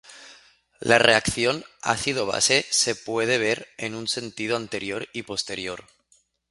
La reacción ácido-base se puede ver en un sentido anterior y posterior.